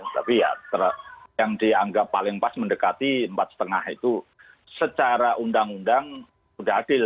tapi ya yang dianggap paling pas mendekati empat lima itu secara undang undang sudah adil